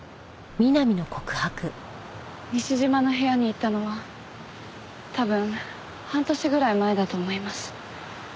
西島の部屋に行ったのは多分半年ぐらい前だと思います。